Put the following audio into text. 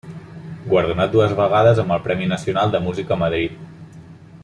Guardonat dues vegades amb el premi nacional de música a Madrid.